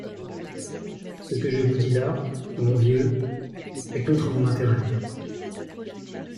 Ce que je vous dis là, mon vieux, est contre mon intérêt.